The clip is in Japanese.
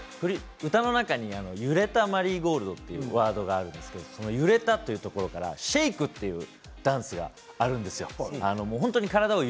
歌の中に揺れたマリーゴールドというワードがあるので揺れたというところからシェイクというダンスがあるんですよ。